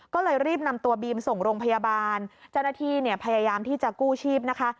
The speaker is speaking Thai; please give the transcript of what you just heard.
ก็เลยรีบนำตัวบีมส่งโรงพยาบาลเจ้าหน้าที่เนี่ยพยายามที่จะกู้ชีพนะคะ